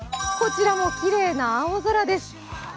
こちらもきれいな青空です。